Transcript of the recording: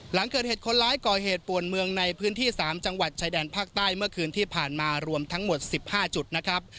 หลังเกิดเหตุคนร้ายก่อเหตุป่วนเมืองในพื้นที่๓จังหวัดชายแดนภาคใต้เมื่อคืนที่ผ่านมารวมทั้งหมด๑๕จุดนะครับ